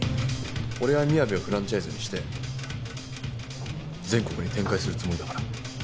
俺はみやべをフランチャイズにして全国に展開するつもりだから。